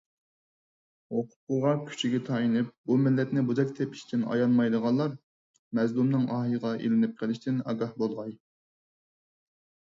ھوقۇقىغا، كۈچىگە تايىنىپ بۇ مىللەتنى بوزەك تېپىشتىن ئايانمايدىغانلار مەزلۇمنىڭ ئاھىغا ئىلىنىپ قىلىشتىن ئاگاھ بولغاي.